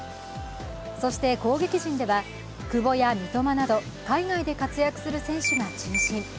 そして攻撃陣では久保や三笘など海外で活躍する選手が中心。